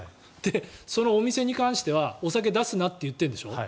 そのお店に関してはお酒を出すなと言ってるんだよね。